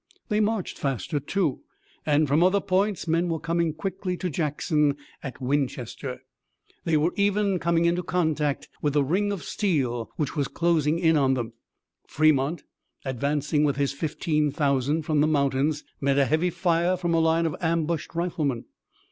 They marched faster, too, and from other points men were coming quickly to Jackson at Winchester. They were even coming into contact with the ring of steel which was closing in on them. Fremont, advancing with his fifteen thousand from the mountains, met a heavy fire from a line of ambushed riflemen.